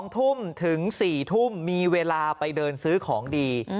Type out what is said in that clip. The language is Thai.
๒ทุ่มถึง๔ทุ่มมีเวลาไปเดินซื้อของดี